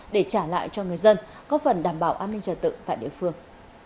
để trả lại cho người dân có phần đảm bảo an ninh trả tự tại địa phương